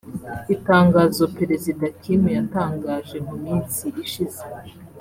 Ijambo Perezida Kim yatangaje mu minsi ishize